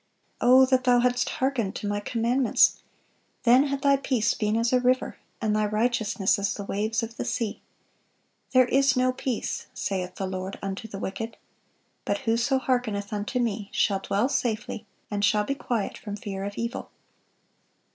"O that thou hadst hearkened to My commandments! then had thy peace been as a river, and thy righteousness as the waves of the sea." "There is no peace, saith the Lord, unto the wicked." "But whoso hearkeneth unto Me shall dwell safely, and shall be quiet from fear of evil."